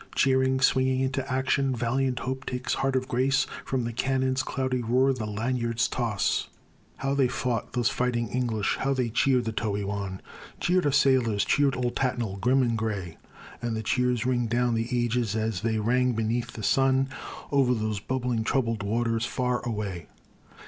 Cheering, swinging into action, valiant Hope takes heart of grace From the cannon's cloudy roar, the lanyards' toss How they fought, those fighting English! How they cheered the Toey Wan, Cheered our sailors, cheered "Old" Tattnall, grim and gray! And their cheers ring down the ages as they rang beneath the sun O'er those bubbling, troubled waters far away.